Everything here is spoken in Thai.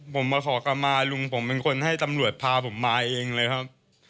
ผมมาขอกลับมาลุงผมเป็นคนให้ตำรวจพาผมมาเองเลยครับ